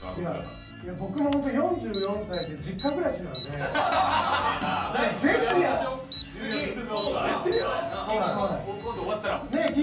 僕も４４歳で実家暮らしなんで、ぜひ「キングオブコント」終わったら。